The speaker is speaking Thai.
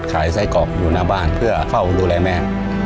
ขายไส้กรอกอยู่หน้าบ้านเพื่อเฝ้าดูแลแม่